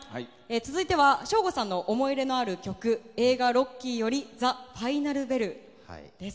続いては省吾さんの思い入れのある曲映画「ロッキー」より「ザ・ファイナル・ベル」です。